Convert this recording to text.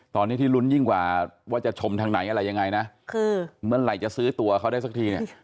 ตอนนี้ที่ลุ้นยิ่งกว่าว่าจะชมทางไหนอะไรยังไงนะคือเมื่อไหร่จะซื้อตัวเขาได้สักทีเนี่ย